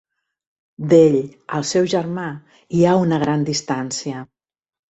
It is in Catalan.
D'ell al seu germà hi ha una gran distància.